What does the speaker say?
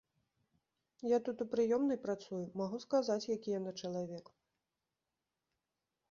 Я тут у прыёмнай працую, магу сказаць, які яна чалавек.